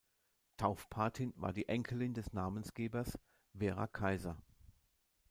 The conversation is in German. Taufpatin war die Enkelin des Namensgebers, Vera Kaiser.